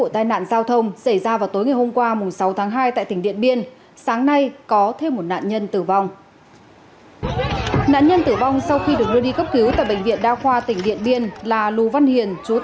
đảm bảo giao thông suốt tránh xảy ra ồn tắc